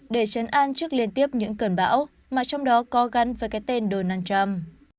để chấn an trước liên tiếp những cơn bão mà trong đó có gắn với cái tên donald trump